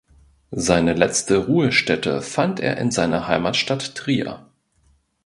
Seine letzte Ruhestätte fand er in seiner Heimatstadt Trier.